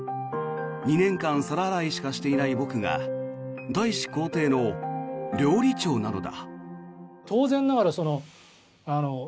２年間皿洗いしかしていない僕が大使公邸の料理長なのだ。